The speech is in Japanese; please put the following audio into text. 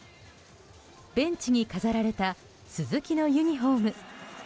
ベンチに飾られた鈴木のユニホーム。